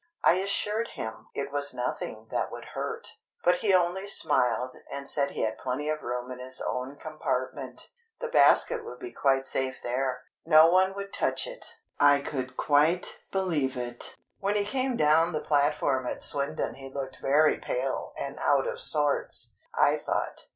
I assured him it was nothing that would hurt. But he only smiled, and said he had plenty of room in his own compartment; the basket would be quite safe there, no one would touch it. I could quite believe it! When he came down the platform at Swindon he looked very pale and out of sorts, I thought.